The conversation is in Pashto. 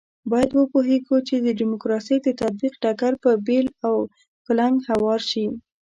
باید وپوهېږو چې د ډیموکراسۍ د تطبیق ډګر په بېل او کلنګ هوار شي.